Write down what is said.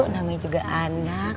namanya juga anak